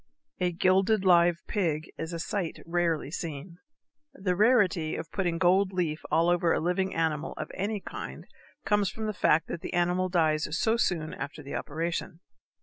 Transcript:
_ A gilded live pig is a sight rarely seen. The rarity of putting gold leaf all over a living animal of any kind comes from the fact that the animal dies so soon after the operation.